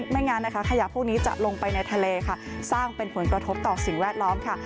ไม่งั้นนะคะขยะพวกนี้จะลงไปในทะเลค่ะสร้างเป็นผลกระทบต่อสิ่งแวดล้อมค่ะ